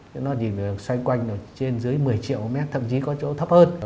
cho nó nhìn xoay quanh trên dưới một mươi triệu mét thậm chí có chỗ thấp hơn